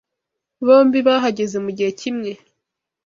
Bombi bahageze mugihe kimwe.